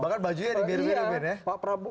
bahkan bajunya di biru biruin ya